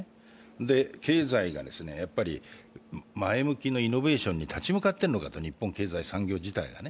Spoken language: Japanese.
経済が前向きのイノベーションに立ち向かっているのか、日本経済、産業自体がね。